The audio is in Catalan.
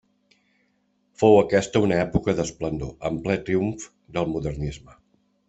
Fou aquesta una època d'esplendor, en ple triomf del modernisme.